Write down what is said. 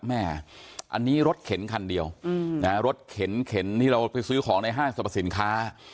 แม่อันนี้รถเข็นคันเดียวรถเข็นที่เราไปซื้อของในห้างสรรพสินค้า